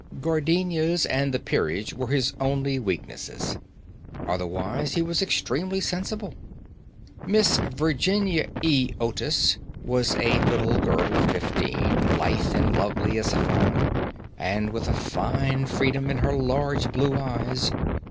Gardenias and the peerage were his only weaknesses. Otherwise he was extremely sensible. Miss Virginia E. Otis was a little girl of fifteen, lithe and lovely as a fawn, and with a fine freedom in her large blue eyes.